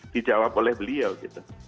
dijawab oleh beliau gitu